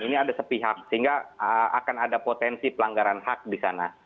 ini ada sepihak sehingga akan ada potensi pelanggaran hak di sana